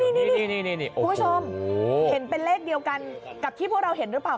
คุณผู้ชมเห็นเป็นเลขเดียวกันกับที่พวกเราเห็นหรือเปล่า